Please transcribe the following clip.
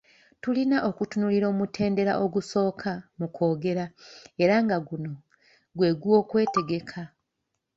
Tulina okutunuulira omutendera ogusooka mu kwogera era nga guno gwe gw’okwetegeka.